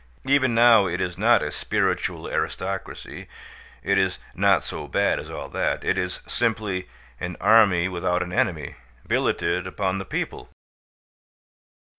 Even now it is not a spiritual aristocracy it is not so bad as all that. It is simply an army without an enemy billeted upon the people.